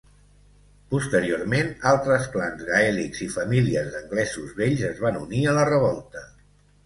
Posteriorment, altres clans gaèlics i famílies d'anglesos vells es van unir a la revolta.